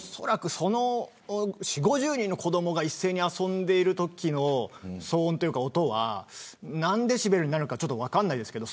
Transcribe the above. もう４０、５０人の子どもが一斉に遊んでいるときの音というのは何デシベルになるか分かりませんけど。